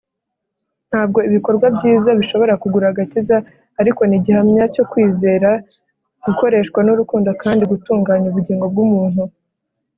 ntabwo ibikorwa byiza bishobora kugura agakiza, ariko ni igihamya cyo kwizera gukoreshwa n’urukundo kandi gutunganya ubugingo bw’umuntu